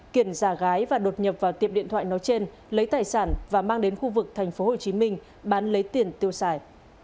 kiển giả gái và đột nhập vào tiệm điện thoại nói trên lấy tài sản và mang đến khu vực tp hcm bán lấy tiền tiêu xài